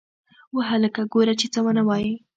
وه هلکه گوره چې څه ونه وايې.